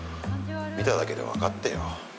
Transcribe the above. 見ただけで分かってよ。